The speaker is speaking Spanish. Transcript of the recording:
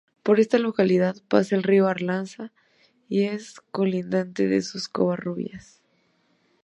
Por esta localidad pasa el río Arlanza, y es colindante a Covarrubias.